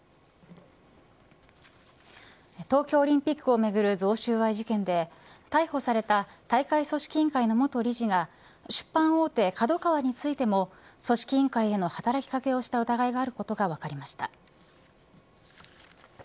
東京オリンピックを巡る贈収賄事件で逮捕された大会組織委員会の元理事が出版大手ＫＡＤＯＫＡＷＡについても組織委員会への働きかけをした疑いがあることが分かりました。